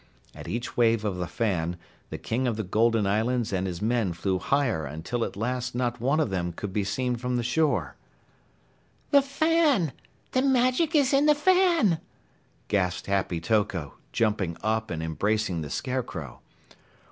At each wave of the fan, the King of the Golden Islands and his men flew higher until at last not one of them could be seen from the shore. "The fan. The magic is in the fan!" gasped Happy Toko, jumping up and embracing the Scarecrow.